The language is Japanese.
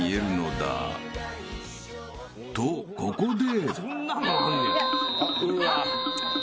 ［とここで］